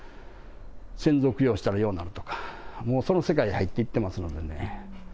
先祖供養したらようなるとか、もうその世界に入っていってしまってますのでね。